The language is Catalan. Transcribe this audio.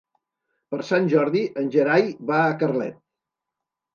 Per Sant Jordi en Gerai va a Carlet.